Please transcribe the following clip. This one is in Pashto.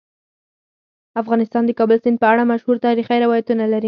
افغانستان د کابل سیند په اړه مشهور تاریخی روایتونه لري.